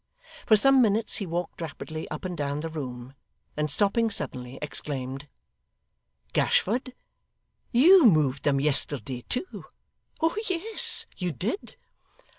For some minutes he walked rapidly up and down the room, then stopping suddenly, exclaimed, 'Gashford YOU moved them yesterday too. Oh yes! You did.